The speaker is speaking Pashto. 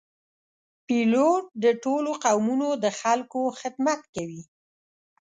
پیلوټ د ټولو قومونو د خلکو خدمت کوي.